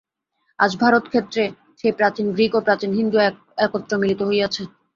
আজ ভারতক্ষেত্রে সেই প্রাচীন গ্রীক ও প্রাচীন হিন্দু একত্র মিলিত হইয়াছে।